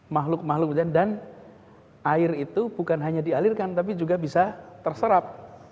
makhluk makhluk dan air itu bukan hanya dialirkan tapi juga bisa terserap